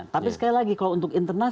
tapi sekali lagi kalau untuk internal